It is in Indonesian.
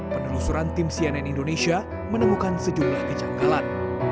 penelusuran tim cnn indonesia menemukan sejumlah kejanggalan